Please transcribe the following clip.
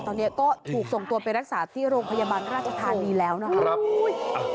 ตอนนี้ก็ถูกส่งตัวไปรักษาที่โรงพยาบาลราชธานีแล้วนะครับ